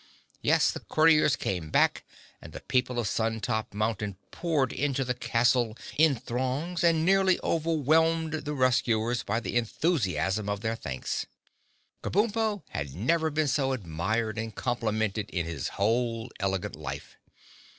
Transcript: Yes, the Courtiers came back and the people of Sun Top Mountain poured into the castle in throngs and nearly overwhelmed the rescuers by the enthusiasm of their thanks. Kabumpo had never been so admired and complimented in his whole elegant life.